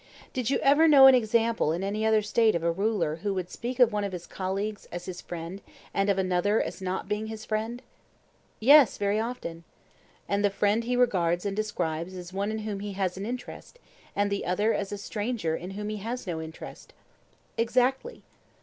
Did you ever know an example in any other State of a ruler who would speak of one of his colleagues as his friend and of another as not being his friend? Yes, very often. And the friend he regards and describes as one in whom he has an interest, and the other as a stranger in whom he has no interest? Exactly.